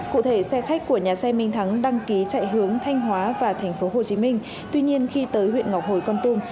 cụ thể xe khách của nhà xe minh thắng đăng ký chạy hướng thanh hóa và thành phố hồ chí minh tuy nhiên khi tới huyện ngọc hồi con tum